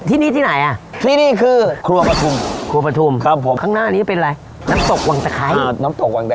ที่นี้ที่ไหนที่นี่คือครัวประทุมครับผมข้างหน้านี้เป็นอะไรน้ำตกวังตะไครน้ำตกวังตะไคร